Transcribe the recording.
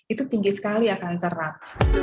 itu tinggi sekali ya kanser rat